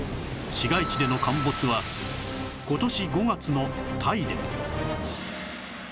市街地での陥没は今年５月のタイでも